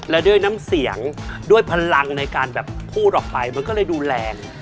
และด้วยน้ำเสียงด้วยพลังในการแบบพูดออกไปมันก็เลยดูแรง